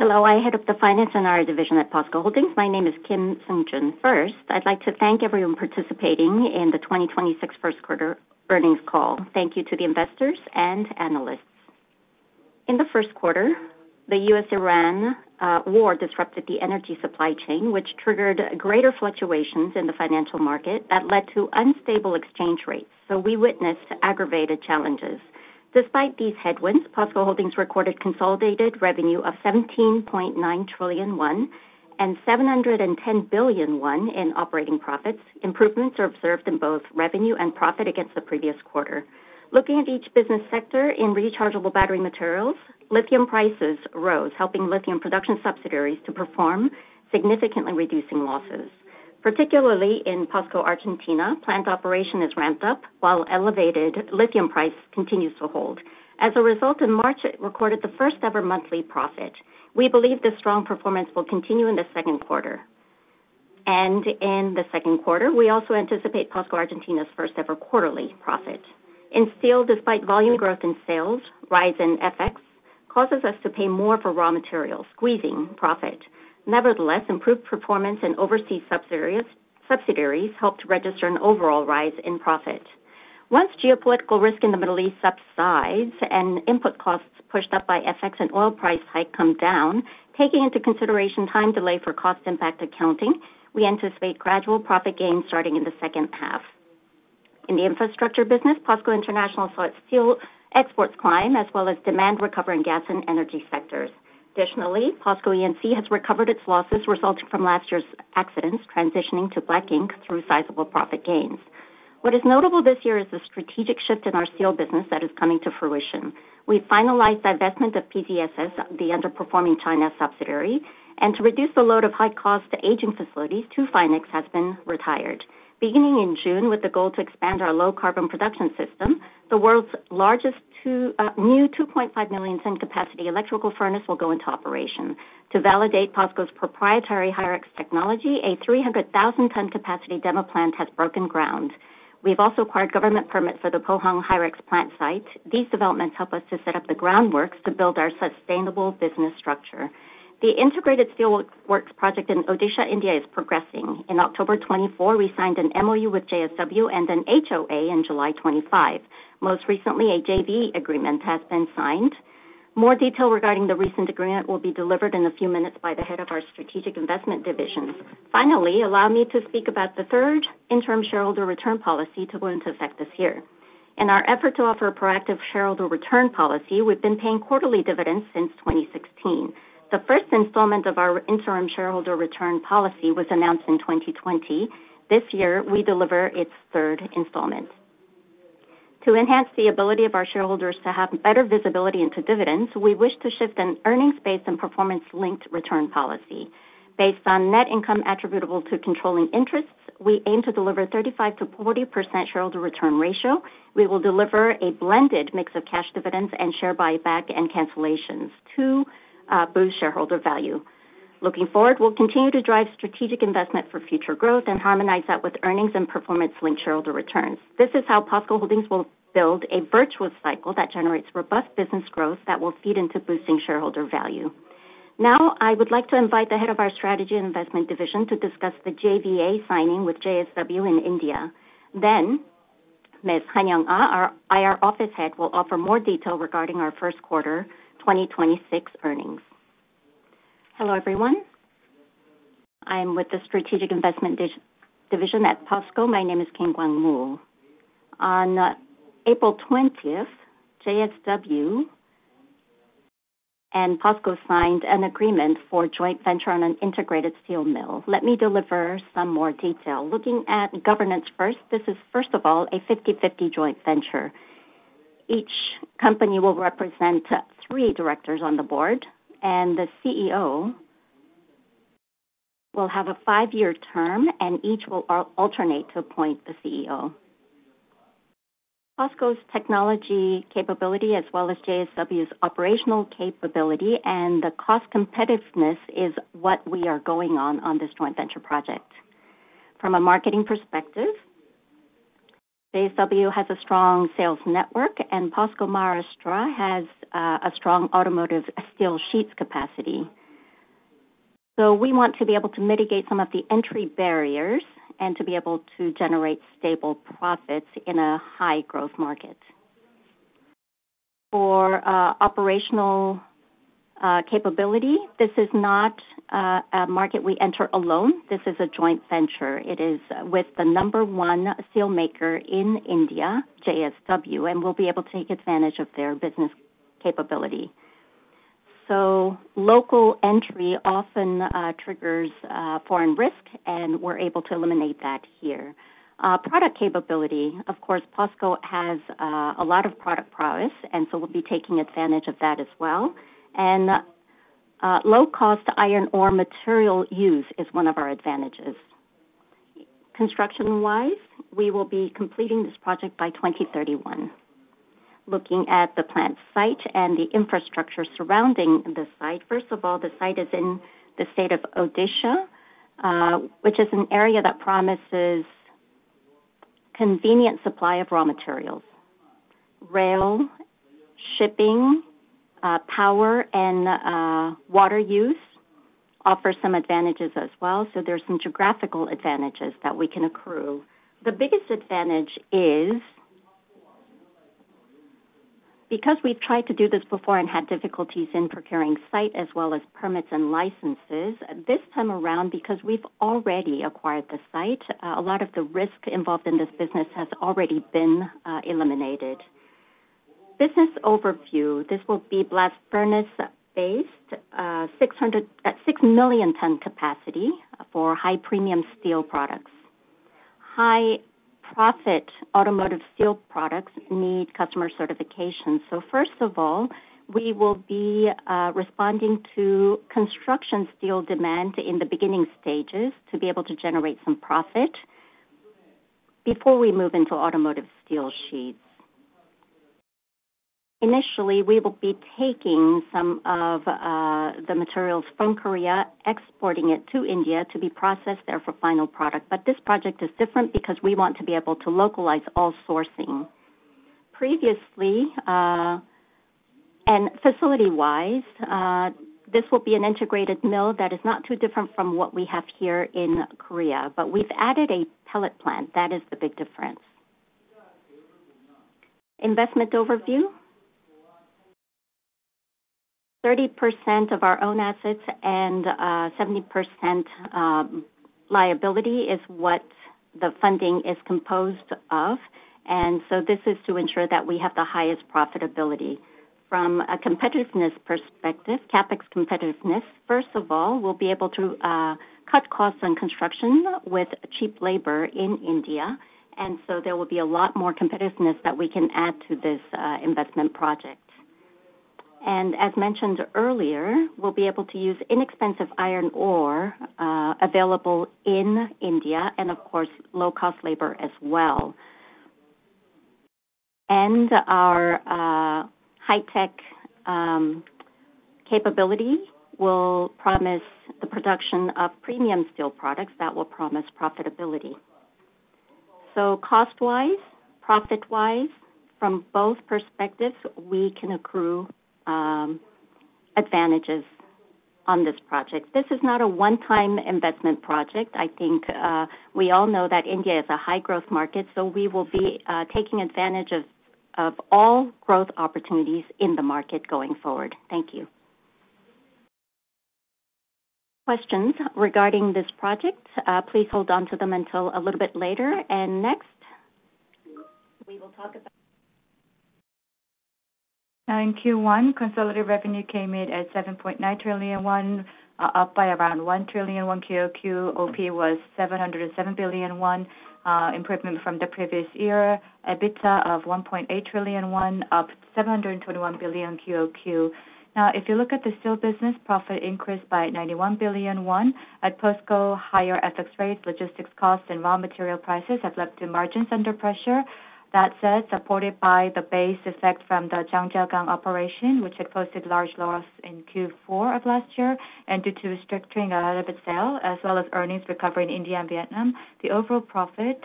Hello. I head up the finance and IR division at POSCO Holdings. My name is Kim Seung-Jun. First, I'd like to thank everyone participating in the 2026 first quarter earnings call. Thank you to the investors and analysts. In the first quarter, the U.S.-Iran war disrupted the energy supply chain, which triggered greater fluctuations in the financial market that led to unstable exchange rates, so we witnessed aggravated challenges. Despite these headwinds, POSCO Holdings recorded consolidated revenue of 17.9 trillion won and 710 billion won in operating profits. Improvements are observed in both revenue and profit against the previous quarter. Looking at each business sector in rechargeable battery materials, lithium prices rose, helping lithium production subsidiaries to perform, significantly reducing losses. Particularly in POSCO Argentina, plant operation is ramped up while elevated lithium price continues to hold. As a result, in March, it recorded the first-ever monthly KRW profit. We believe this strong performance will continue in the second quarter. In the second quarter, we also anticipate POSCO Argentina's first-ever quarterly KRW profit. In steel, despite volume growth in sales, rise in FX causes us to pay more for raw materials, squeezing KRW profit. Nevertheless, improved performance in overseas subsidiaries helped register an overall rise in KRW profit. Once geopolitical risk in the Middle East subsides and input costs pushed up by FX and oil price hike come down, taking into consideration time delay for cost impact accounting, we anticipate gradual KRW profit gains starting in the second half. In the infrastructure business, POSCO International saw its steel exports climb, as well as demand recover in gas and energy sectors. Additionally, POSCO E&C has recovered its losses resulting from last year's accidents, transitioning to black ink through sizable KRW profit gains. What is notable this year is the strategic shift in our steel business that is coming to fruition. We finalized the investment of PDSS, the underperforming China subsidiary, and to reduce the load of high cost to aging facilities, No. 2 FINEX has been retired. Beginning in June with the goal to expand our low-carbon production system, the world's largest new 2.5 million ton capacity electrical furnace will go into operation. To validate POSCO's proprietary HyREX technology, a 300,000 ton capacity demo plant has broken ground. We've also acquired government permits for the Pohang HyREX plant site. These developments help us to set up the groundworks to build our sustainable business structure. The integrated steelworks project in Odisha, India is progressing. In October 2024, we signed an MOU with JSW and an HOA in July 2025. Most recently, a JV agreement has been signed. More detail regarding the recent agreement will be delivered in a few minutes by the Head of our Strategic Investment Division. Finally, allow me to speak about the third interim shareholder return policy to go into effect this year. In our effort to offer a proactive shareholder return policy, we've been paying quarterly dividends since 2016. The first installment of our interim shareholder return policy was announced in 2020. This year, we deliver its third installment. To enhance the ability of our shareholders to have better visibility into dividends, we wish to shift an earnings-based and performance-linked return policy. Based on net income attributable to controlling interests, we aim to deliver 35%-40% shareholder return ratio. We will deliver a blended mix of cash dividends and share buyback and cancellations to boost shareholder value. Looking forward, we'll continue to drive strategic investment for future growth and harmonize that with earnings and performance-linked shareholder returns. This is how POSCO Holdings will build a virtuous cycle that generates robust business growth that will feed into boosting shareholder value. Now I would like to invite the Head of our Strategic Investment Division to discuss the JVA signing with JSW in India. Ms. Han Young-Ah, our IR Office Head, will offer more detail regarding our first quarter 2026 earnings. Hello, everyone. I'm with the Strategic Investment Division at POSCO. My name is Kim Gwang-mu. On April 20th, JSW and POSCO signed an agreement for joint venture on an integrated steel mill. Let me deliver some more detail. Looking at governance first, this is first of all a 50/50 joint venture. Each company will represent three directors on the board, and the CEO will have a five-year term, and each will alternate to appoint the CEO. POSCO's technology capability as well as JSW's operational capability and the cost competitiveness is what we are going on on this joint venture project. From a marketing perspective, JSW has a strong sales network, and POSCO Maharashtra has a strong automotive steel sheets capacity. We want to be able to mitigate some of the entry barriers and to be able to generate stable profits in a high-growth market. For operational capability, this is not a market we enter alone. This is a joint venture. It is with the number one steelmaker in India, JSW, and we'll be able to take advantage of their business capability. Local entry often triggers foreign risk, and we're able to eliminate that here. Product capability, of course, POSCO has a lot of product prowess, we'll be taking advantage of that as well. Low cost iron ore material use is one of our advantages. Construction-wise, we will be completing this project by 2031. Looking at the plant site and the infrastructure surrounding the site, first of all, the site is in the state of Odisha, which is an area that promises convenient supply of raw materials. Rail, shipping, power and water use offer some advantages as well. There's some geographical advantages that we can accrue. The biggest advantage is because we've tried to do this before and had difficulties in procuring site as well as permits and licenses, this time around, because we've already acquired the site, a lot of the risk involved in this business has already been eliminated. Business overview. This will be blast furnace-based, 6 million ton capacity for high-premium steel products. High-profit automotive steel products need customer certification. First of all, we will be responding to construction steel demand in the beginning stages to be able to generate some profit before we move into automotive steel sheets. Initially, we will be taking some of the materials from Korea, exporting it to India to be processed there for final product. This project is different because we want to be able to localize all sourcing. Previously, and facility-wise, this will be an integrated mill that is not too different from what we have here in Korea, but we've added a pellet plant. That is the big difference. Investment overview. 30% of our own assets and 70% liability is what the funding is composed of. This is to ensure that we have the highest profitability. From a competitiveness perspective, CapEx competitiveness, first of all, we'll be able to cut costs on construction with cheap labor in India. There will be a lot more competitiveness that we can add to this investment project. As mentioned earlier, we'll be able to use inexpensive iron ore available in India and of course, low-cost labor as well. Our high-tech capability will promise the production of premium steel products that will promise profitability. Cost-wise, profit-wise, from both perspectives, we can accrue advantages on this project. This is not a one-time investment project. I think, we all know that India is a high-growth market, we will be taking advantage of all growth opportunities in the market going forward. Thank you. Questions regarding this project, please hold on to them until a little bit later. Next, we will talk about in Q1, consolidated revenue came in at 7.9 trillion, up by around 1 trillion QOQ. OP was 707 billion, improvement from the previous year. EBITDA of 1.8 trillion, up 721 billion QOQ. If you look at the Steel Business, profit increased by 91 billion. At POSCO, higher FX rates, logistics costs, and raw material prices have left the margins under pressure. That said, supported by the base effect from the Zhangjiagang operation, which had posted large loss in Q4 of last year, and due to restructuring a lot of its sales, as well as earnings recovery in India and Vietnam, the overall profit,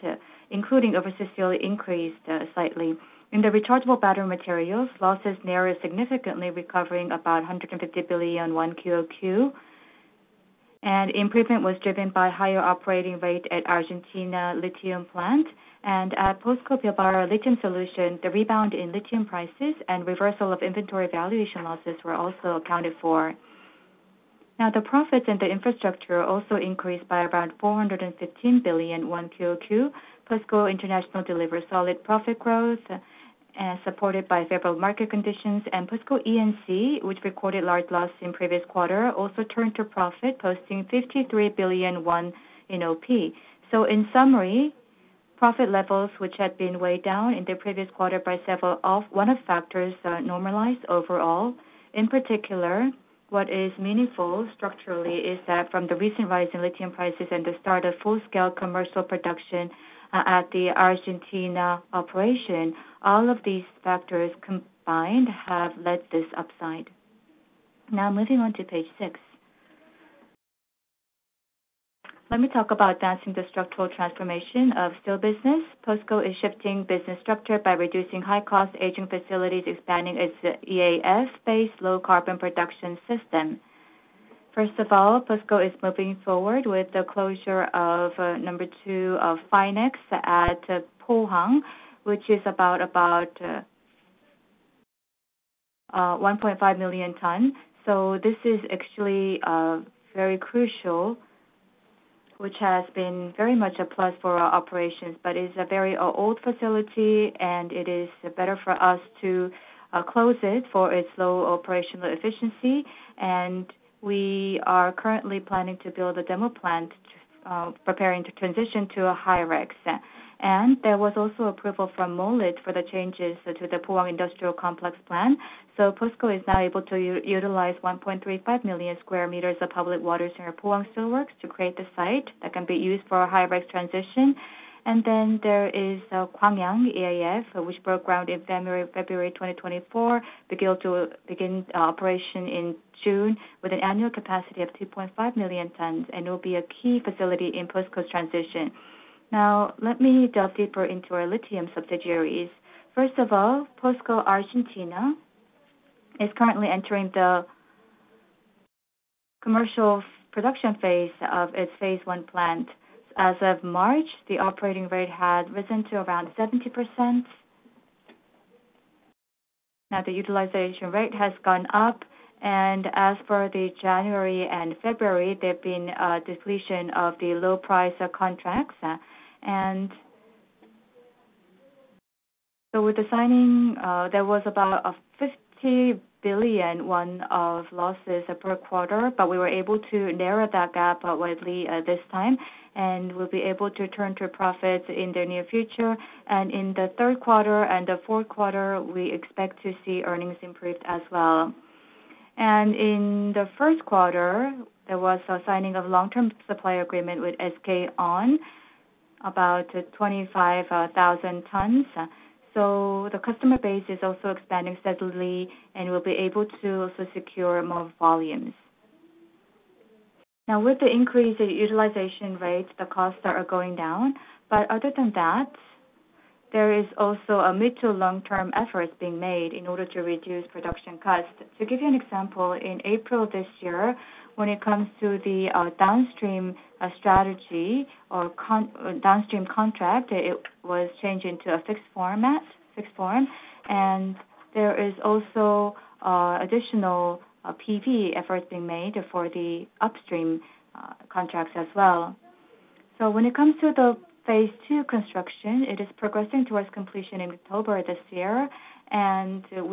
including overseas steel, increased slightly. In the rechargeable battery materials, losses narrowed significantly, recovering about 150 billion QOQ. Improvement was driven by higher operating rate at Argentina lithium plant. At POSCO Pilbara Lithium Solution, the rebound in lithium prices and reversal of inventory valuation losses were also accounted for. The profits in the infrastructure also increased by around 415 billion won QOQ. POSCO International delivered solid profit growth and supported by favorable market conditions. POSCO E&C, which recorded large loss in previous quarter, also turned to profit, posting 53 billion won in OP. In summary, profit levels which had been way down in the previous quarter by several one-off factors, normalized overall. In particular, what is meaningful structurally is that from the recent rise in lithium prices and the start of full-scale commercial production at the Argentina operation, all of these factors combined have led this upside. Moving on to page six. Let me talk about advancing the structural transformation of steel business. POSCO is shifting business structure by reducing high-cost aging facilities, expanding its EAF-based low-carbon production system. POSCO is moving forward with the closure of No. 2 FINEX at Pohang, which is about 1.5 million tons. This is actually very crucial, which has been very much a plus for our operations, but it's a very old facility, and it is better for us to close it for its low operational efficiency. We are currently planning to build a demo plant, preparing to transition to a HyREX. There was also approval from MOLIT for the changes to the Pohang Industrial Complex plan. POSCO is now able to utilize 1.35 million sq m of public waters near Pohang Steelworks to create the site that can be used for HyREX transition. There is Gwangyang EAF, which broke ground in February 2024, begin operation in June with an annual capacity of 2.5 million tons and will be a key facility in POSCO's transition. Now let me delve deeper into our lithium subsidiaries. First of all, POSCO Argentina. Is currently entering the commercial production phase of its phase one plant. As of March, the operating rate had risen to around 70%. The utilization rate has gone up, as for January and February, there have been depletion of the low price contracts. With the signing, there was about 50 billion won of losses per quarter. We were able to narrow that gap widely at this time, and we'll be able to turn to profits in the near future. In the third quarter and the fourth quarter, we expect to see earnings improved as well. In the first quarter, there was a signing of long-term supplier agreement with SK On about 25,000 tons. The customer base is also expanding steadily, and we'll be able to also secure more volumes. Now, with the increase in utilization rates, the costs are going down. Other than that, there is also a mid to long-term effort being made in order to reduce production costs. To give you an example, in April this year, when it comes to the downstream strategy or downstream contract, it was changed into a fixed format, fixed form. There is also additional PP effort being made for the upstream contracts as well. When it comes to the phase II construction, it is progressing towards completion in October this year.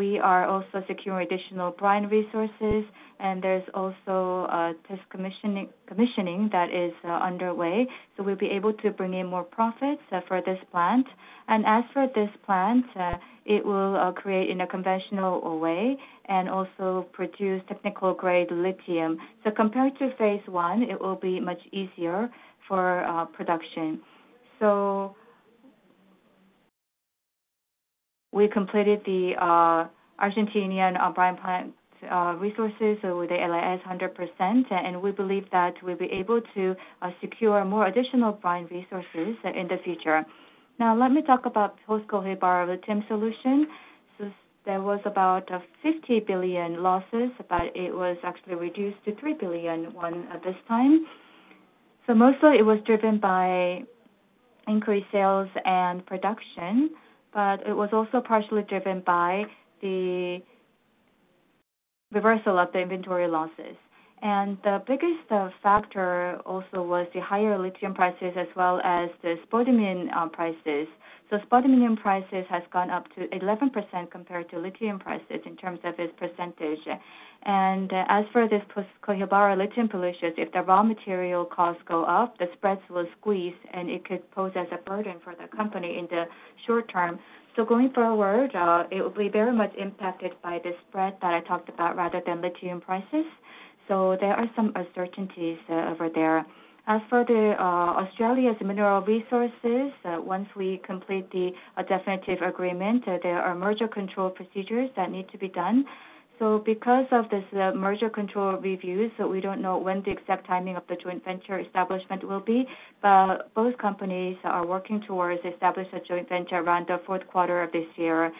We are also securing additional brine resources, and there's also a test commissioning that is underway. We'll be able to bring in more profits for this plant. As for this plant, it will create in a conventional way and also produce technical grade lithium. Compared to phase I, it will be much easier for production. We completed the Argentinian brine plant resources with 100%, and we believe that we'll be able to secure more additional brine resources in the future. Now let me talk about POSCO Pilbara Lithium Solution. There was about 50 billion losses, but it was actually reduced to 3 billion at this time. Mostly it was driven by increased sales and production, but it was also partially driven by the reversal of the inventory losses. The biggest factor also was the higher lithium prices as well as the spodumene prices. Spodumene prices has gone up to 11% compared to lithium prices in terms of its percentage. As for this POSCO Pilbara Lithium Solution, if the raw material costs go up, the spreads will squeeze, and it could pose as a burden for the company in the short term. Going forward, it will be very much impacted by the spread that I talked about rather than lithium prices. There are some uncertainties over there. As for the Australia's mineral resources, once we complete the definitive agreement, there are merger control procedures that need to be done. Because of this, merger control reviews, we don't know when the exact timing of the joint venture establishment will be. Both companies are working towards establish a joint venture around the fourth quarter of this year.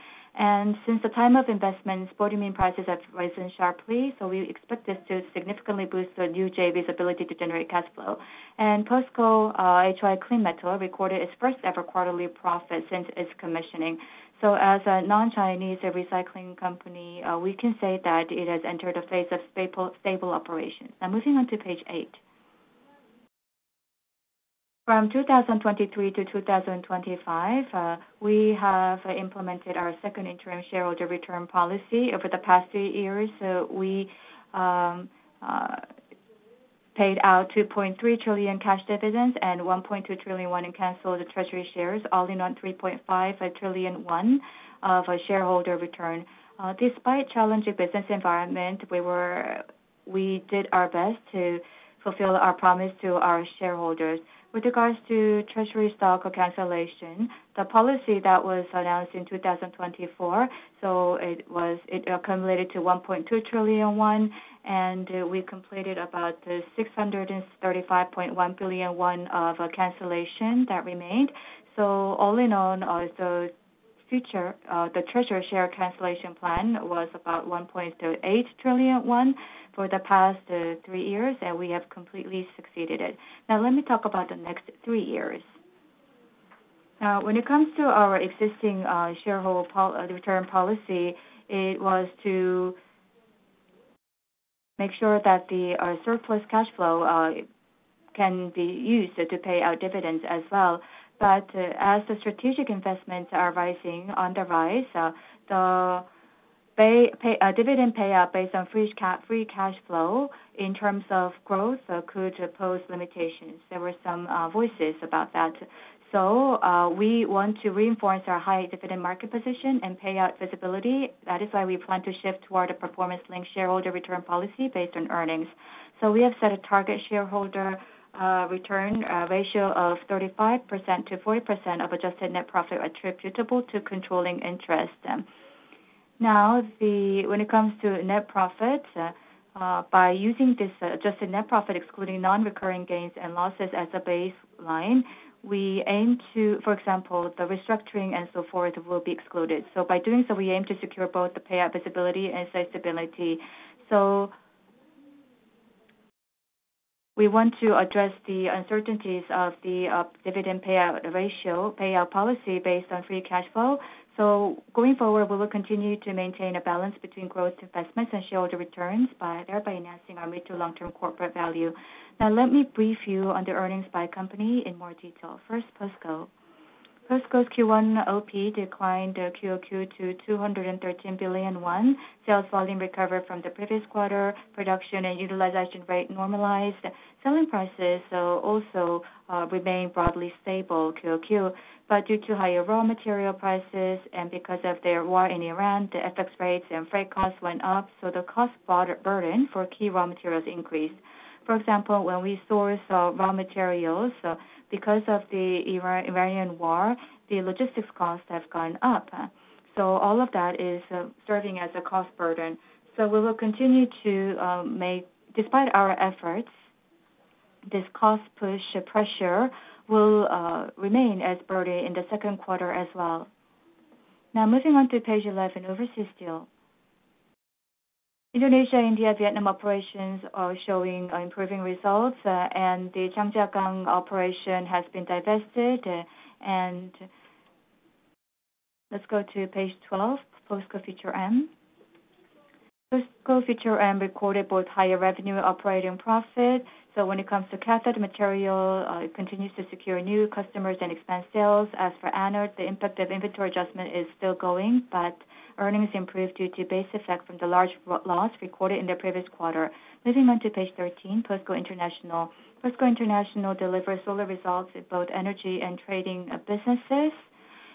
Since the time of investment, spodumene prices have risen sharply, we expect this to significantly boost the new JV's ability to generate cash flow. POSCO HY Clean Metal recorded its first ever quarterly profit since its commissioning. As a non-Chinese recycling company, we can say that it has entered a phase of stable operations. Moving on to page eight. From 2023 to 2025, we have implemented our second interim shareholder return policy. Over the past three years, we paid out 2.3 trillion cash dividends and 1.2 trillion won in canceled treasury shares, all in on 3.5 trillion won of shareholder return. Despite challenging business environment, we did our best to fulfill our promise to our shareholders. With regards to treasury stock cancellation, the policy that was announced in 2024, it accumulated to 1.2 trillion won, and we completed about 635.1 billion won of cancellation that remained. All in all, the future, the treasury share cancellation plan was about 1.8 trillion won for the past three years, and we have completely succeeded it. Let me talk about the next three years. When it comes to our existing shareholder return policy, it was to make sure that the surplus cash flow can be used to pay out dividends as well. As the strategic investments are rising, on the rise, the pay, dividend payout based on free cash flow in terms of growth could pose limitations. There were some voices about that. We want to reinforce our high dividend market position and payout visibility. That is why we plan to shift toward a performance-linked shareholder return policy based on earnings. We have set a target shareholder return ratio of 35% to 40% of adjusted net profit attributable to controlling interest. Now, when it comes to net profit, by using this adjusted net profit, excluding non-recurring gains and losses as a baseline, we aim to, for example, the restructuring and so forth will be excluded. By doing so, we aim to secure both the payout visibility and sustainability. We want to address the uncertainties of the dividend payout ratio, payout policy based on free cash flow. Going forward, we will continue to maintain a balance between growth investments and shareholder returns by thereby enhancing our mid to long-term corporate value. Now let me brief you on the earnings by company in more detail. First, POSCO. POSCO's Q1 OP declined QOQ to 213 billion won. Sales volume recovered from the previous quarter. Production and utilization rate normalized. Selling prices also remained broadly stable QOQ, but due to higher raw material prices and because of the war in Iran, the FX rates and freight costs went up, so the cost burden for key raw materials increased. For example, when we source raw materials, because of the Iranian war, the logistics costs have gone up. All of that is serving as a cost burden. We will continue to make. despite our efforts, this cost push pressure will remain as burden in the second quarter as well. Moving on to page 11, Overseas Steel. Indonesia, India, Vietnam operations are improving results, and the Zhangjiagang operation has been divested. Let's go to page 12, POSCO Future M. POSCO Future M recorded both higher revenue operating profit. When it comes to cathode material, it continues to secure new customers and expand sales. As for anode, the impact of inventory adjustment is still going, but earnings improved due to base effect from the large loss recorded in the previous quarter. Moving on to page 13, POSCO International. POSCO International delivered solid results in both energy and trading businesses.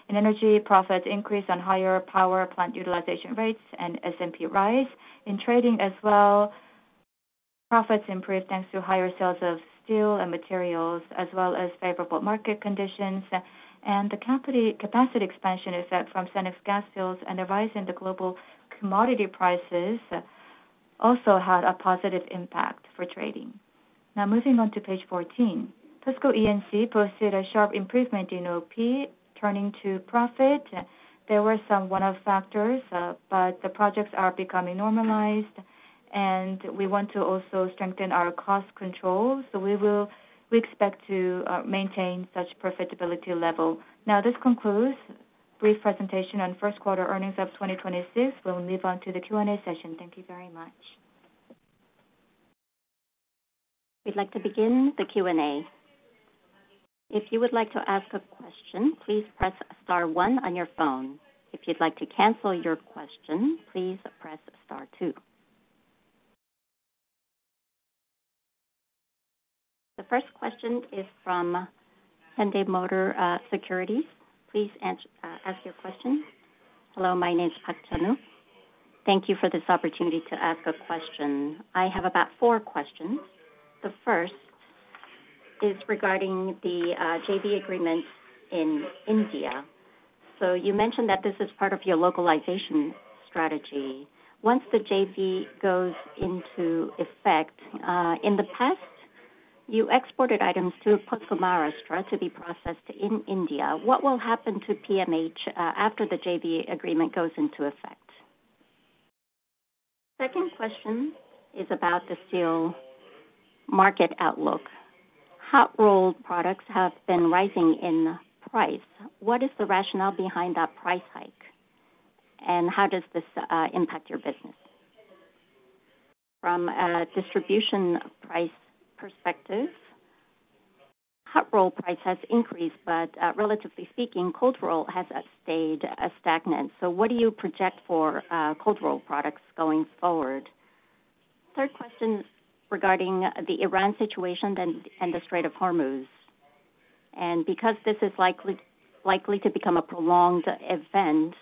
In energy, profits increased on higher power plant utilization rates and S&P rise. In trading as well, profits improved thanks to higher sales of steel and materials as well as favorable market conditions. The capacity expansion effect from Senex Gas Fields and a rise in the global commodity prices also had a positive impact for trading. Moving on to page 14. POSCO E&C posted a sharp improvement in OP, turning to profit. There were some one-off factors, but the projects are becoming normalized, and we want to also strengthen our cost control. We expect to maintain such profitability level. This concludes brief presentation on 1st quarter earnings of 2026. We will move on to the Q&A session. Thank you very much. We'd like to begin the Q&A. If you would like to ask a question, please press star one on your phone. If you'd like to cancel your question, please press star two. The first question is from Hyundai Motor Securities. Please ask your question. Hello, my name is Park Hyun-wook. Thank you for this opportunity to ask a question. I have about four questions. The first is regarding the JV agreement in India. You mentioned that this is part of your localization strategy. Once the JV goes into effect, in the past, you exported items to POSCO Maharashtra to be processed in India. What will happen to PMH after the JV agreement goes into effect? Second question is about the steel market outlook. Hot-rolled products have been rising in price. What is the rationale behind that price hike, and how does this impact your business? From a distribution price perspective, hot-rolled price has increased, but relatively speaking, cold-rolled has stayed stagnant. What do you project for cold-rolled products going forward? Third question regarding the Iran situation and the Strait of Hormuz. Because this is likely to become a prolonged event,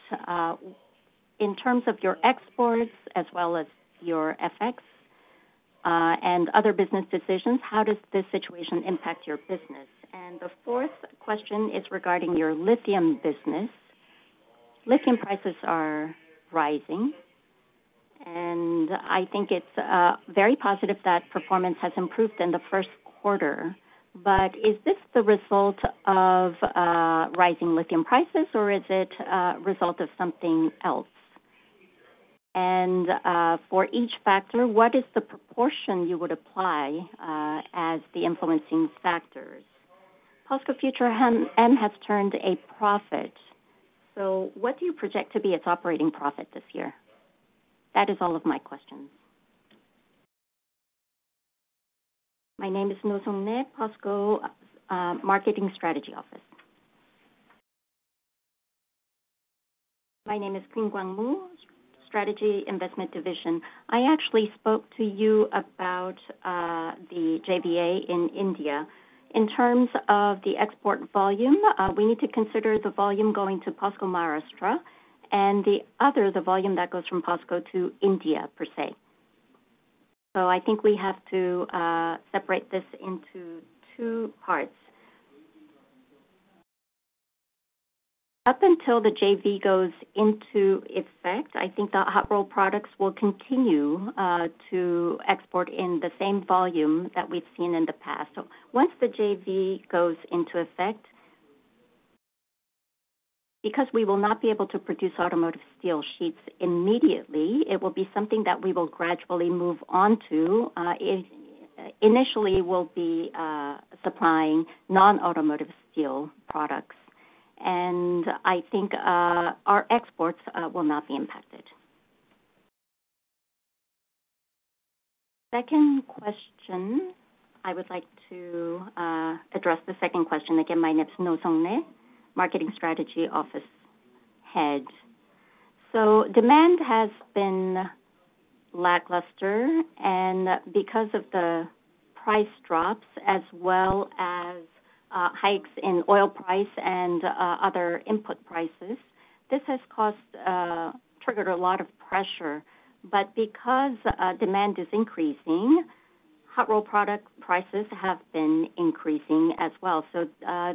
in terms of your exports as well as your FX, and other business decisions, how does this situation impact your business? The fourth question is regarding your lithium business. Lithium prices are rising, and I think it's very positive that performance has improved in the first quarter. Is this the result of rising lithium prices, or is it a result of something else? For each factor, what is the proportion you would apply as the influencing factors? POSCO Future M has turned a profit. What do you project to be its operating profit this year? That is all of my questions. My name is Noh Sung-Nae, POSCO Marketing Strategy Office. My name is Kim Gwang-mu, Strategic Investment Division. I actually spoke to you about the JVA in India. In terms of the export volume, we need to consider the volume going to POSCO Maharashtra and the other, the volume that goes from POSCO to India per se. I think we have to separate this into two parts. Up until the JV goes into effect, I think the hot roll products will continue to export in the same volume that we've seen in the past. Once the JV goes into effect, because we will not be able to produce automotive steel sheets immediately, it will be something that we will gradually move on to. Initially, we'll be supplying non-automotive steel products, and I think our exports will not be impacted. Second question. I would like to address the second question. Again, my name is Noh Sung-Nae, Marketing Strategy Office head. Demand has been lackluster, and because of the price drops as well as hikes in oil price and other input prices, this has caused triggered a lot of pressure. Because demand is increasing, hot roll product prices have been increasing as well.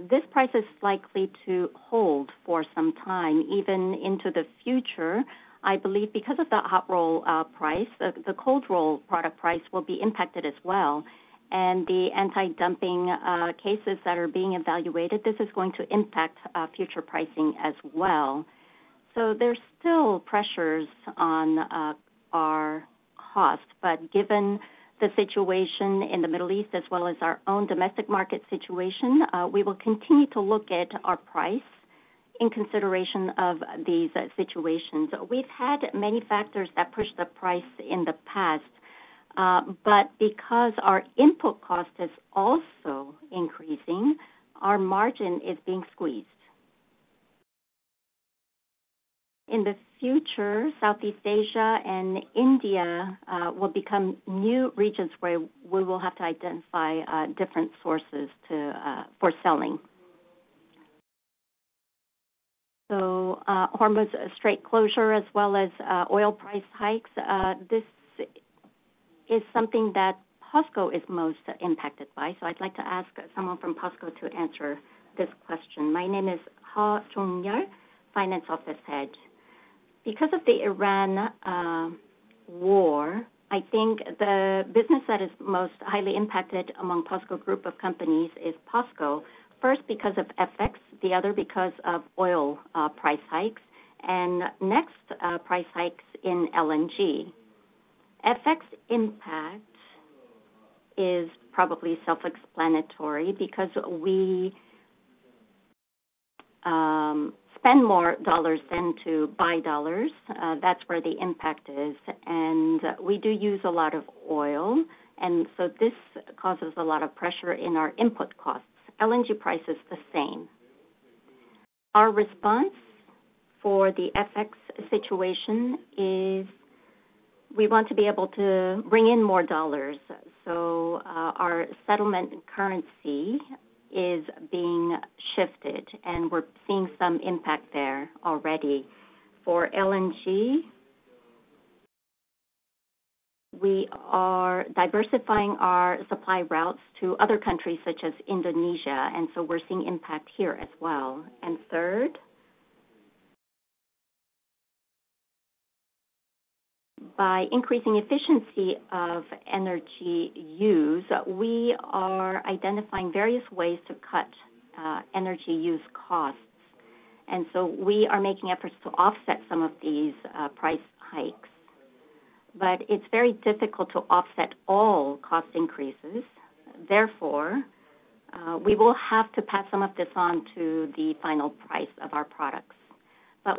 This price is likely to hold for some time, even into the future. I believe because of the hot roll price, the cold roll product price will be impacted as well. The anti-dumping cases that are being evaluated, this is going to impact future pricing as well. There's still pressures on our cost, but given the situation in the Middle East as well as our own domestic market situation, we will continue to look at our price in consideration of these situations. We've had many factors that pushed the price in the past, but because our input cost is also increasing, our margin is being squeezed. In the future, Southeast Asia and India will become new regions where we will have to identify different sources to for selling. Hormuz Strait closure as well as oil price hikes, this is something that POSCO is most impacted by, so I'd like to ask someone from POSCO to answer this question. My name is Ha Seong-Yeol, Finance Office Head. Because of the Iran war, I think the business that is most highly impacted among POSCO group of companies is POSCO, first, because of FX, the other because of oil price hikes, next price hikes in LNG. FX impact is probably self-explanatory because we spend more dollars than to buy dollars. That's where the impact is. We do use a lot of oil, and so this causes a lot of pressure in our input costs. LNG price is the same. Our response for the FX situation is we want to be able to bring in more dollars. Our settlement currency is being shifted, and we're seeing some impact there already. For LNG, we are diversifying our supply routes to other countries, such as Indonesia. We're seeing impact here as well. Third, by increasing efficiency of energy use, we are identifying various ways to cut energy use costs. We are making efforts to offset some of these price hikes. It's very difficult to offset all cost increases. Therefore, we will have to pass some of this on to the final price of our products.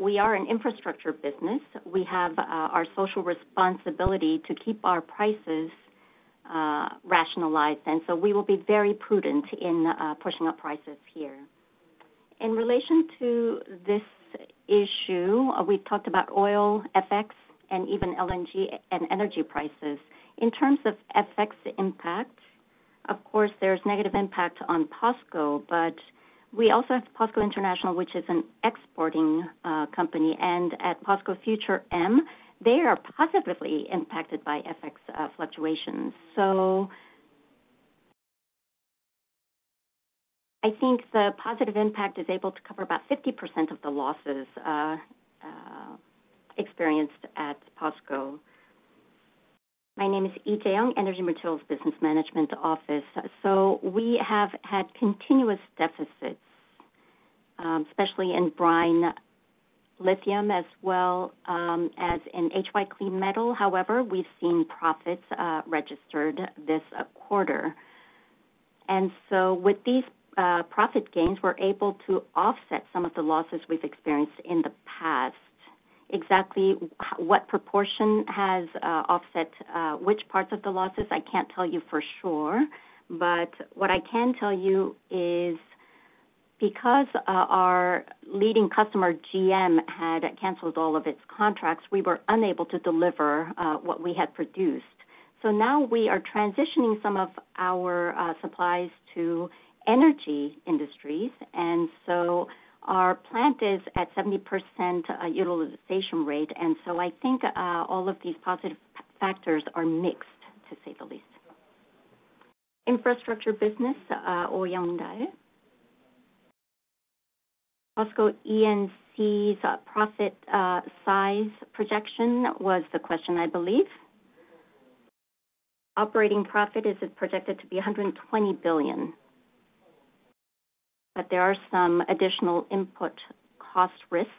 We are an infrastructure business. We have our social responsibility to keep our prices rationalized. We will be very prudent in pushing up prices here. In relation to this issue, we've talked about oil, FX, and even LNG and energy prices. In terms of FX impact, of course, there's negative impact on POSCO, but we also have POSCO International, which is an exporting company, and at POSCO Future M, they are positively impacted by FX fluctuations. I think the positive impact is able to cover about 50% of the losses experienced at POSCO. My name is Yoon Tae-il, Energy Materials Business Management Office. We have had continuous deficits, especially in brine lithium as well, as in HY Clean Metal. However, we've seen profits registered this quarter. With these profit gains, we're able to offset some of the losses we've experienced in the past. Exactly what proportion has offset which parts of the losses, I can't tell you for sure, but what I can tell you is because our leading customer, GM, had canceled all of its contracts, we were unable to deliver what we had produced. Now we are transitioning some of our supplies to energy industries, and so our plant is at 70% utilization rate. I think all of these positive factors are mixed, to say the least. Infrastructure business, Oh Youngdal. POSCO E&C's profit size projection was the question, I believe. Operating profit is projected to be 120 billion. There are some additional input cost risks.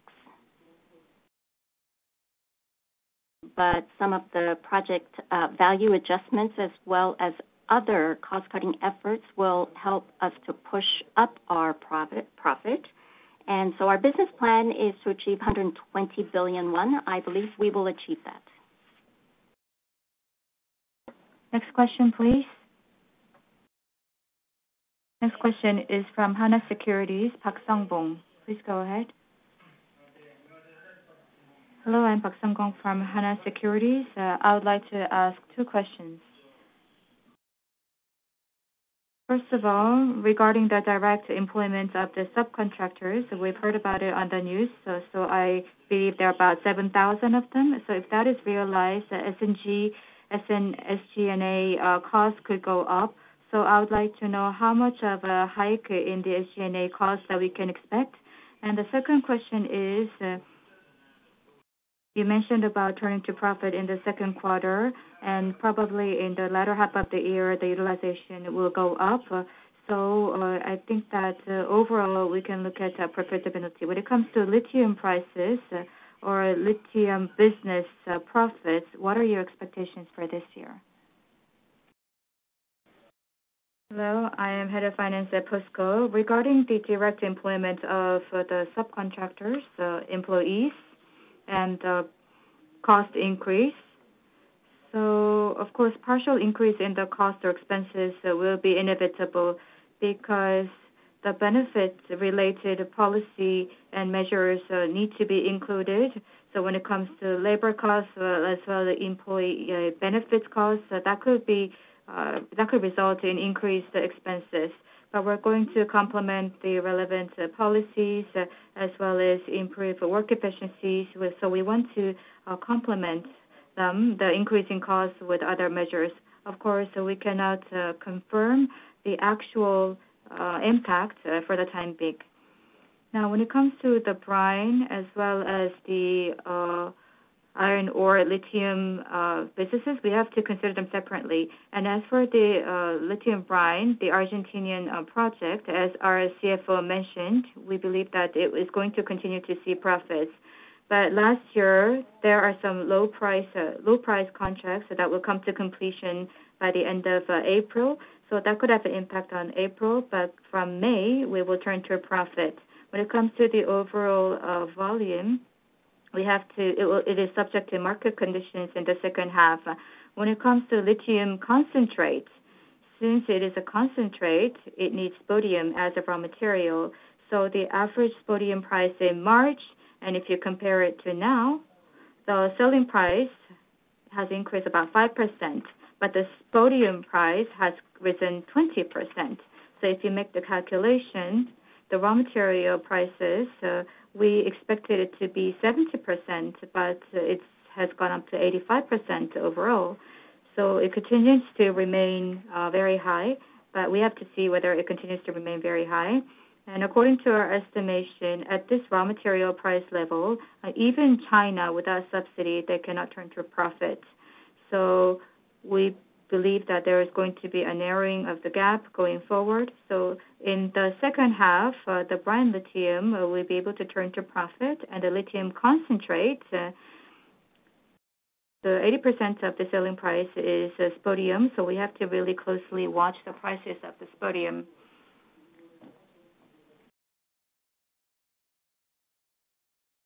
Some of the project value adjustments as well as other cost-cutting efforts will help us to push up our profit. Our business plan is to achieve 120 billion. I believe we will achieve that. Next question, please. Next question is from Hana Securities, Park Sung-Bong, please go ahead. Hello, I'm Park Sung-Bong from Hana Securities. I would like to ask two questions. First of all, regarding the direct employment of the subcontractors, we've heard about it on the news, I believe there are about 7,000 of them. If that is realized, the SG&A costs could go up. I would like to know how much of a hike in the SG&A costs that we can expect. The second question is, you mentioned about turning to profit in the second quarter, and probably in the latter half of the year, the utilization will go up. I think that overall we can look at profitability. When it comes to lithium prices or lithium business, profits, what are your expectations for this year? Hello, I am Head of Finance at POSCO. Regarding the direct employment of the subcontractors, employees and, cost increase. Of course, partial increase in the cost or expenses will be inevitable because the benefits-related policy and measures need to be included. When it comes to labor costs, as well the employee, benefits costs, that could result in increased expenses. We're going to complement the relevant policies as well as improve work efficiencies. We want to complement them, the increasing costs, with other measures. Of course, we cannot confirm the actual impact for the time being. Now, when it comes to the brine as well as the iron ore lithium businesses, we have to consider them separately. As for the lithium brine, the Argentinian project, as our CFO mentioned, we believe that it is going to continue to see profits. Last year, there are some low price contracts that will come to completion by the end of April. That could have an impact on April, but from May, we will turn to a profit. When it comes to the overall volume, it is subject to market conditions in the second half. When it comes to lithium concentrates, since it is a concentrate, it needs spodumene as a raw material. The average spodumene price in March, and if you compare it to now, the selling price has increased about 5%, but the spodumene price has risen 20%. If you make the calculation, the raw material prices, we expected it to be 70%, but it has gone up to 85% overall. It continues to remain very high, but we have to see whether it continues to remain very high. According to our estimation, at this raw material price level, even China, without subsidy, they cannot turn to a profit. We believe that there is going to be a narrowing of the gap going forward. In the second half, the brine lithium will be able to turn to profit, and the lithium concentrates, the 80% of the selling price is spodumene, we have to really closely watch the prices of the spodumene.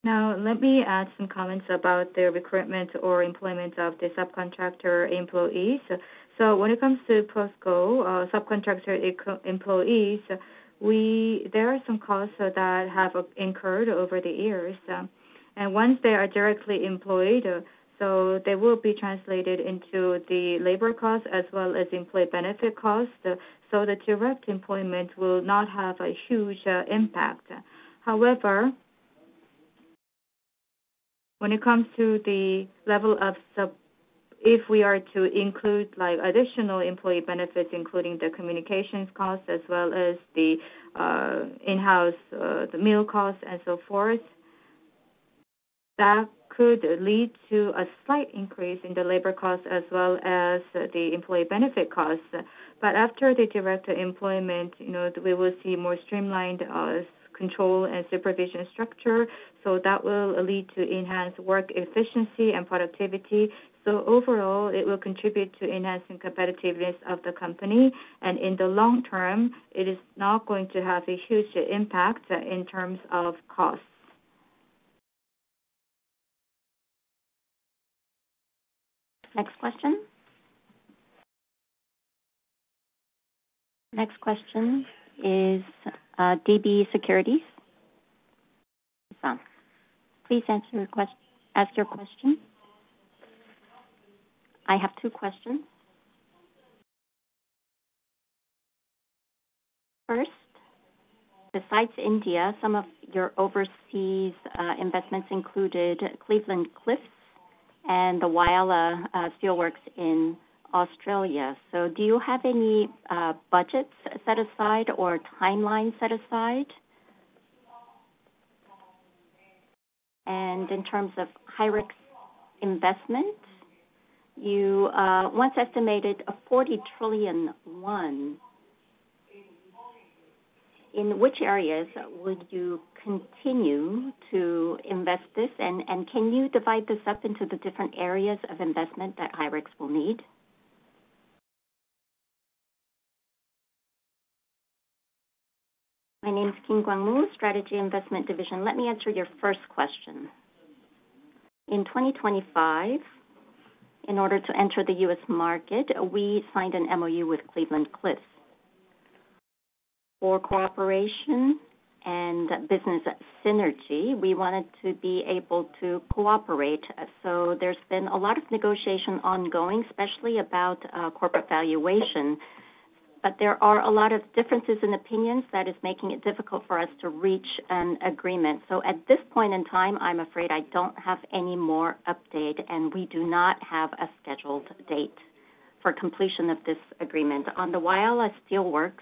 Now, let me add some comments about the recruitment or employment of the subcontractor employees. When it comes to POSCO, subcontractor employees, there are some costs that have incurred over the years. Once they are directly employed, they will be translated into the labor cost as well as employee benefit costs. The direct employment will not have a huge impact. However, when it comes to the level of if we are to include like additional employee benefits, including the communications costs as well as the in-house the meal costs and so forth, that could lead to a slight increase in the labor costs as well as the employee benefit costs. After the direct employment, you know, we will see more streamlined control and supervision structure, so that will lead to enhanced work efficiency and productivity. Overall, it will contribute to enhancing competitiveness of the company. In the long term, it is not going to have a huge impact in terms of costs. Next question. Next question is DB Securities. Please ask your question. I have two questions. First, besides India, some of your overseas investments included Cleveland-Cliffs and the Whyalla steelworks in Australia. Do you have any budgets set aside or timeline set aside? In terms of HyREX investment, you once estimated 40 trillion. In which areas would you continue to invest this? Can you divide this up into the different areas of investment that HyREX will need? My name is Kim Gwang-mu, Strategic Investment Division. Let me answer your first question. In 2025, in order to enter the U.S. market, we signed an MOU with Cleveland-Cliffs. For cooperation and business synergy, we wanted to be able to cooperate. There's been a lot of negotiation ongoing, especially about corporate valuation, but there are a lot of differences in opinions that is making it difficult for us to reach an agreement. At this point in time, I'm afraid I don't have any more update, and we do not have a scheduled date for completion of this agreement. On the Whyalla Steelworks,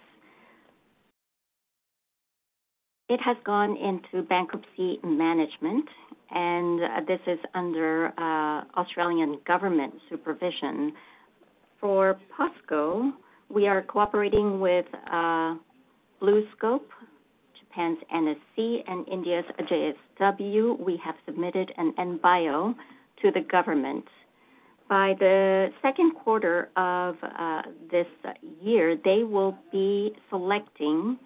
it has gone into bankruptcy management, and this is under Australian government supervision. For POSCO, we are cooperating with BlueScope, Japan's NSC, and India's JSW. We have submitted an NBIO to the government. By the second quarter of this year, they will be selecting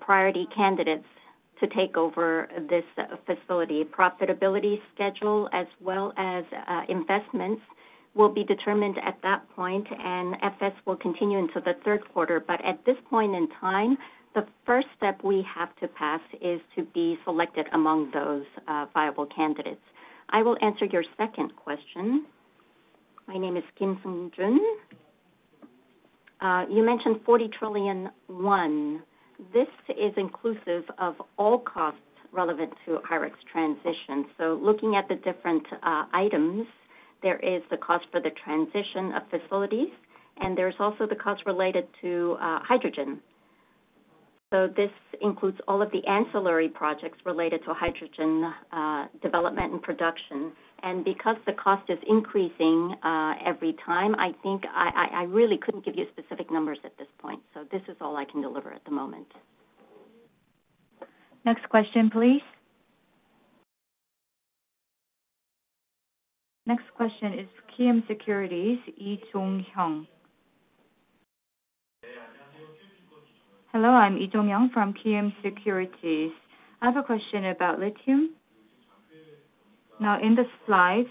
priority candidates to take over this facility. Profitability schedule as well as investments will be determined at that point, and FS will continue into the third quarter. At this point in time, the first step we have to pass is to be selected among those viable candidates. I will answer your second question. My name is Kim Seung-Jun. You mentioned 40 trillion. This is inclusive of all costs relevant to HyREX transition. Looking at the different items, there is the cost for the transition of facilities, and there's also the cost related to hydrogen. This includes all of the ancillary projects related to hydrogen development and production. Because the cost is increasing every time, I think I really couldn't give you specific numbers at this point. This is all I can deliver at the moment. Next question, please. Next question is KB Securities, Lee Joon-Hyung. Hello, I'm Lee Joon-Hyung from KB Securities. I have a question about lithium. Now, in the slides,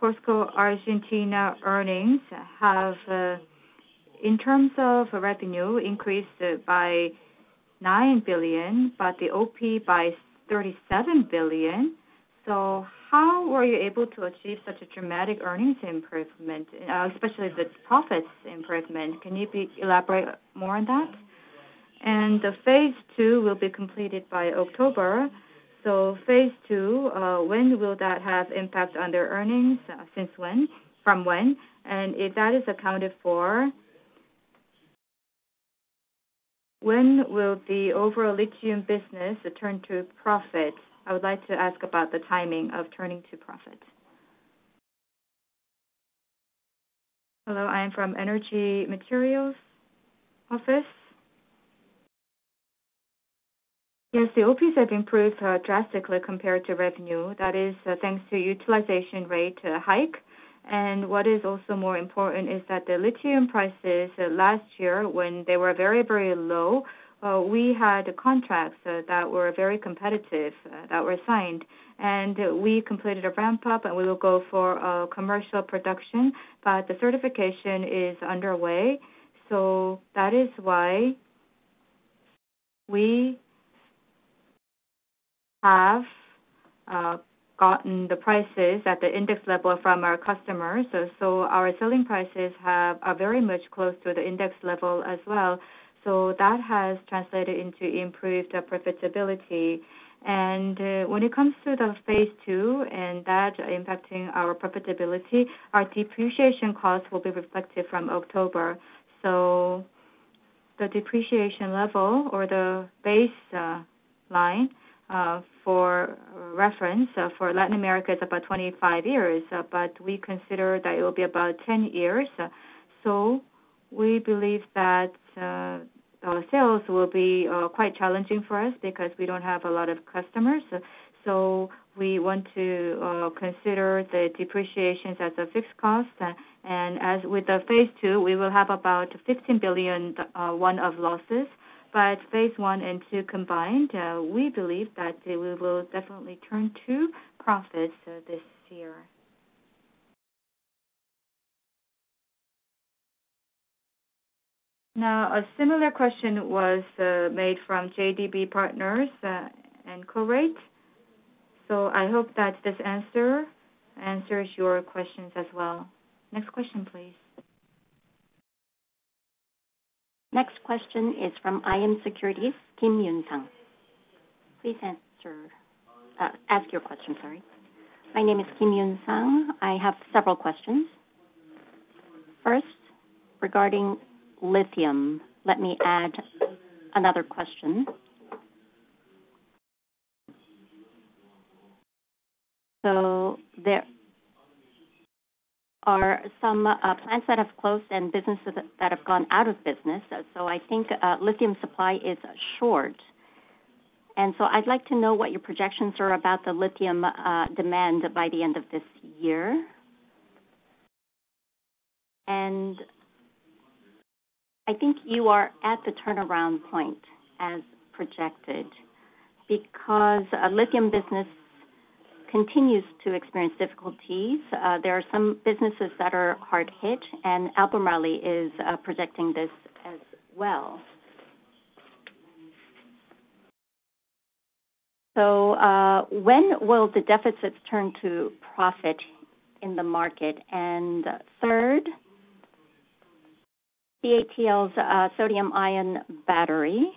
POSCO Argentina earnings have, in terms of revenue, increased by 9 billion, but the OP by 37 billion. How were you able to achieve such a dramatic earnings improvement, especially the profits improvement? Can you please elaborate more on that? The phase II will be completed by October. phase II, when will that have impact on their earnings, since when? From when? If that is accounted for, when will the overall lithium business turn to profit? I would like to ask about the timing of turning to profit. Hello, I am from Energy Materials Office. The OPs have improved drastically compared to revenue. That is thanks to utilization rate hike. What is also more important is that the lithium prices last year when they were very, very low, we had contracts that were very competitive that were signed. We completed a ramp-up, and we will go for commercial production. The certification is underway, so that is why we have gotten the prices at the index level from our customers. Our selling prices are very much close to the index level as well. That has translated into improved profitability. When it comes to the phase II and that impacting our profitability, our depreciation cost will be reflected from October. The depreciation level or the base line for reference for Latin America is about 25 years. We consider that it will be about 10 years. We believe that sales will be quite challenging for us because we don't have a lot of customers. We want to consider the depreciations as a fixed cost. As with the phase II, we will have about 15 billion of losses. Phase I and II combined, we believe that we will definitely turn to profit this year. A similar question was made from DB Partners and Corate. I hope that this answer answers your questions as well. Next question please. Next question is from iM Securities, Kim Yun-Sang. Please ask your question. Sorry. My name is Kim Yun-Sang. I have several questions. First, regarding lithium. Let me add one question. There are some plants that have closed and businesses that have gone out of business. I think lithium supply is short. I'd like to know what your projections are about the lithium demand by the end of this year. I think you are at the turnaround point as projected, because our lithium business continues to experience difficulties. There are some businesses that are hard hit, and Albemarle is projecting this as well. When will the deficits turn to profit in the market? Third, CATL's sodium-ion battery,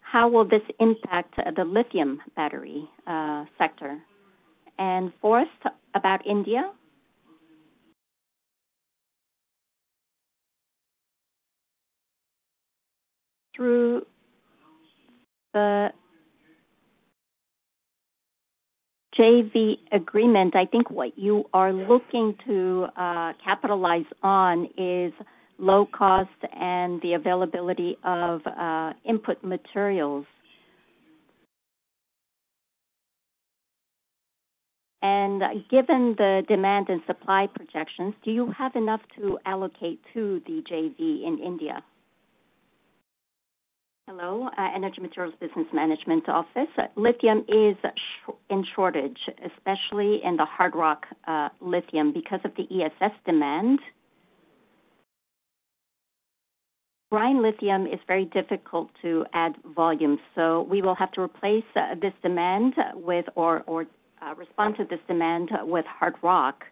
how will this impact the lithium battery sector? Fourth, about India. Through the JV agreement, I think what you are looking to capitalize on is low cost and the availability of input materials. Given the demand and supply projections, do you have enough to allocate to the JV in India? Hello. Energy Materials Business Management Office. Lithium is in shortage, especially in the hard rock lithium because of the ESS demand. Brine lithium is very difficult to add volume, so we will have to replace this demand with or respond to this demand with hard rock.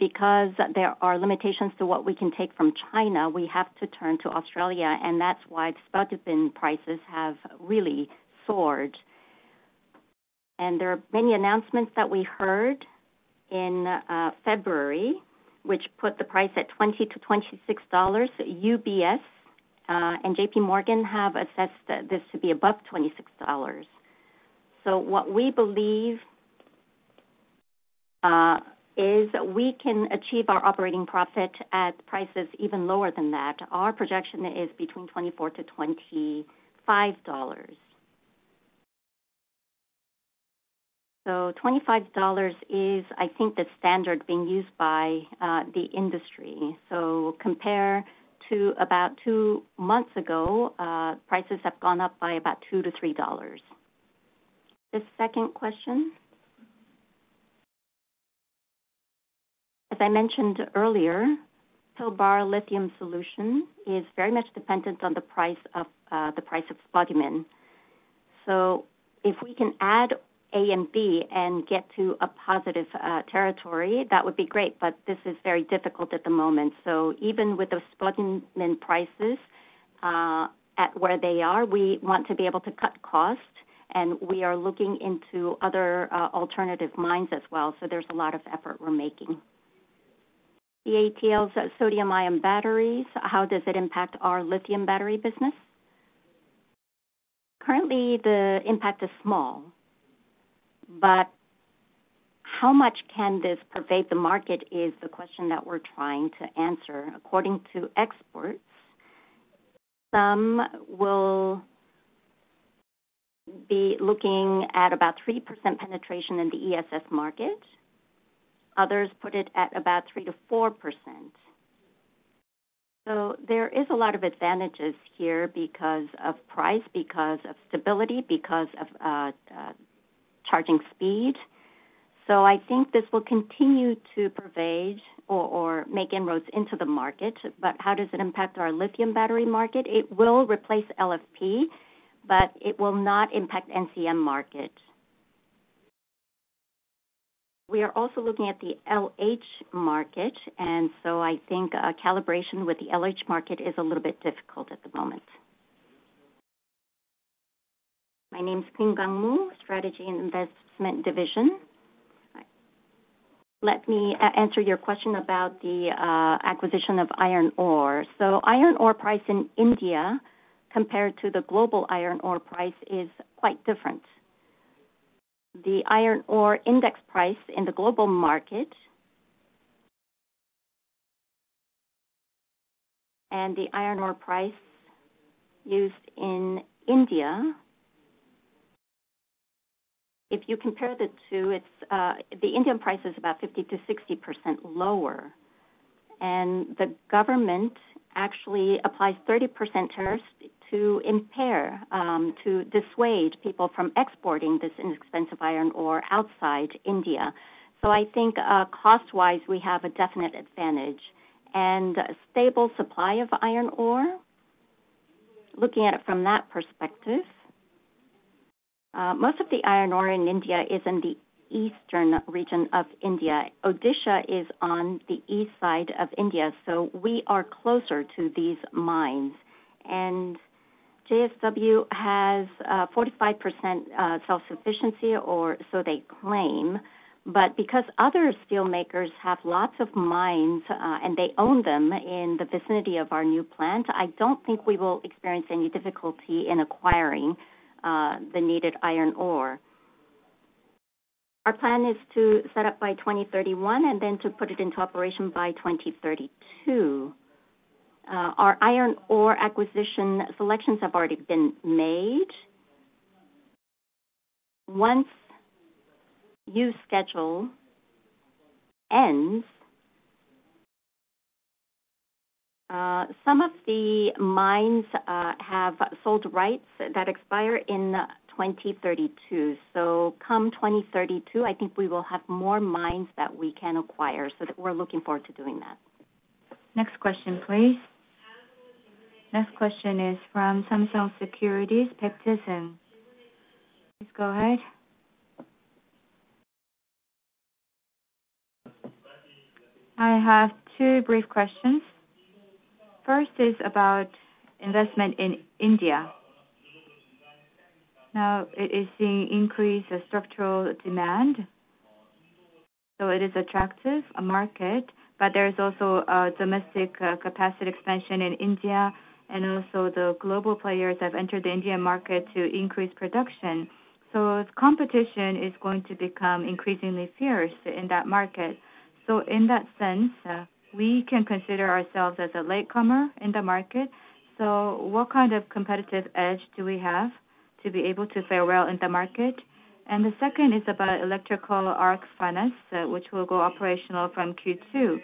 Because there are limitations to what we can take from China, we have to turn to Australia, and that's why spodumene prices have really soared. There are many announcements that we heard in February, which put the price at $20-$26. UBS and JPMorgan have assessed this to be above $26. What we believe is we can achieve our operating profit at prices even lower than that. Our projection is between $24-$25. Twenty-five dollars is, I think, the standard being used by the industry. Compare to about two months ago, prices have gone up by about $2-$3. The second question. As I mentioned earlier, Pilbara Lithium Solution is very much dependent on the price of spodumene. If we can add A and B and get to a positive territory, that would be great, but this is very difficult at the moment. Even with the spodumene prices, at where they are, we want to be able to cut costs, and we are looking into other alternative mines as well. There's a lot of effort we're making. CATL's sodium-ion batteries, how does it impact our lithium battery business? Currently, the impact is small, but how much can this pervade the market is the question that we're trying to answer. According to experts, some will be looking at about 3% penetration in the ESS market. Others put it at about 3%-4%. There is a lot of advantages here because of price, because of stability, because of charging speed. I think this will continue to pervade or make inroads into the market. How does it impact our lithium battery market? It will replace LFP, but it will not impact NCM market. We are also looking at the LH market, and so I think a calibration with the LH market is a little bit difficult at the moment. My name is Kim Gwang-mu, Strategic Investment Division. Let me answer your question about the acquisition of iron ore. Iron ore price in India compared to the global iron ore price is quite different. The iron ore index price in the global market and the iron ore price used in India, if you compare the two, it's the Indian price is about 50%-60% lower. The government actually applies 30% tariff to impair to dissuade people from exporting this inexpensive iron ore outside India. I think cost-wise, we have a definite advantage and stable supply of iron ore. Looking at it from that perspective, most of the iron ore in India is in the eastern region of India. Odisha is on the east side of India, so we are closer to these mines. JSW has 45% self-sufficiency, or so they claim. Because other steel makers have lots of mines, and they own them in the vicinity of our new plant, I don't think we will experience any difficulty in acquiring the needed iron ore. Our plan is to set up by 2031 and then to put it into operation by 2032. Our iron ore acquisition selections have already been made. Once you schedule ends. Some of the mines have sold rights that expire in 2032. Come 2032, I think we will have more mines that we can acquire, so that we're looking forward to doing that. Next question, please. Next question is from Samsung Securities, Peptison. Please go ahead. I have two brief questions. First is about investment in India. It is seeing increased structural demand, so it is attractive, a market. There is also a domestic capacity expansion in India, and also the global players have entered the Indian market to increase production. Competition is going to become increasingly fierce in that market. In that sense, we can consider ourselves as a latecomer in the market. What kind of competitive edge do we have to be able to fare well in the market? The second is about electrical arc furnace, which will go operational from Q2.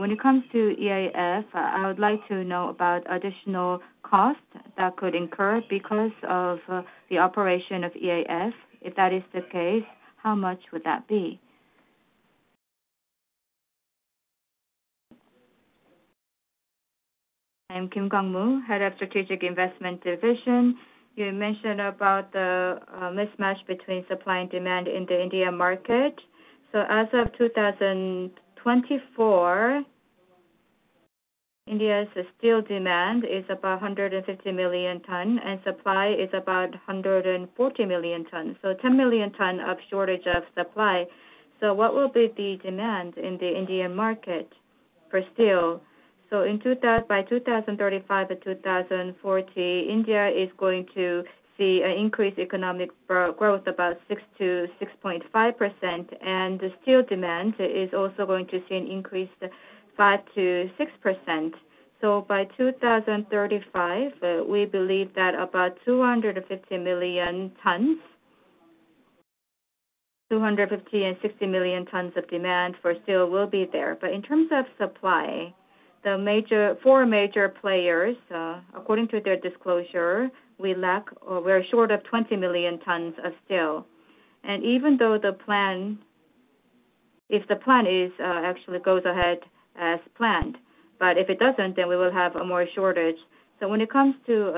When it comes to EAF, I would like to know about additional costs that could incur because of the operation of EAF. If that is the case, how much would that be? I am Kim Gwang-mu, Head of Strategic Investment Division. You mentioned about the mismatch between supply and demand in the India market. As of 2024, India's steel demand is about 150 million tons, and supply is about 140 million tons. 10 million tons of shortage of supply. What will be the demand in the Indian market for steel? By 2035-2040, India is going to see an increased economic growth, about 6%-6.5%, and the steel demand is also going to see an increase 5%-6%. By 2035, we believe that about 250 million tons, 250 million tons-260 million tons of demand for steel will be there. In terms of supply, the major, four major players, according to their disclosure, we lack or we're short of 20 million tons of steel. Even though the plan, if the plan is actually goes ahead as planned, but if it doesn't, then we will have a more shortage. When it comes to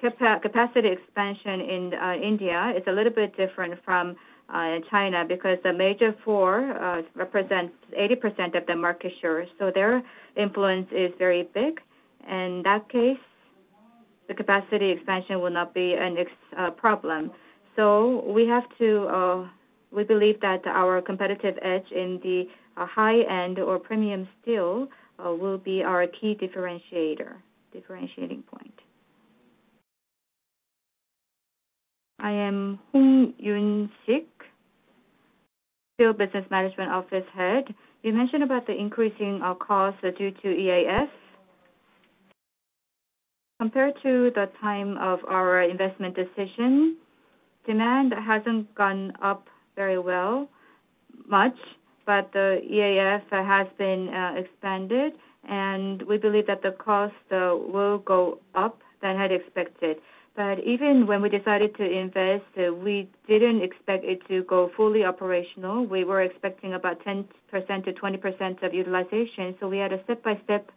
a capacity expansion in India, it's a little bit different from China, because the major four represents 80% of the market share. Their influence is very big. In that case, the capacity expansion will not be a next problem. We have to, we believe that our competitive edge in the high-end or premium steel will be our key differentiator, differentiating point. I am Hong Yoon-Sik, Steel Business Management Office Head. You mentioned about the increasing of costs due to EAF. Compared to the time of our investment decision, demand hasn't gone up very much, but the EAF has been expanded, and we believe that the cost will go up than had expected. Even when we decided to invest, we didn't expect it to go fully operational. We were expecting about 10%-20% of utilization, so we had a step-by-step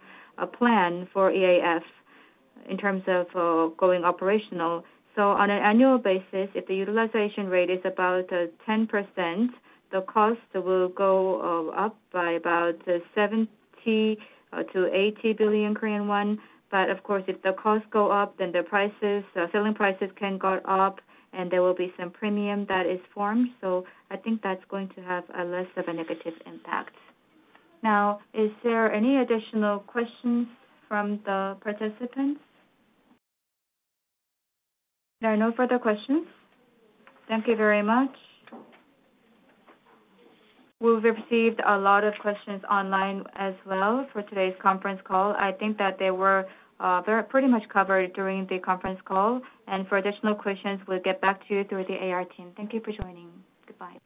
plan for EAF in terms of going operational. On an annual basis, if the utilization rate is about 10%, the cost will go up by about 70 billion-80 billion Korean won. Of course, if the costs go up, then the prices, selling prices can go up, and there will be some premium that is formed. I think that's going to have a less of a negative impact. Is there any additional questions from the participants? There are no further questions. Thank you very much. We've received a lot of questions online as well for today's conference call. I think that they were, they are pretty much covered during the conference call, and for additional questions, we'll get back to you through the IR team. Thank you for joining. Goodbye.